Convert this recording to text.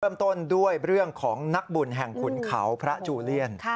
เริ่มต้นด้วยเรื่องของนักบุญแห่งขุนเขาพระจูเลียน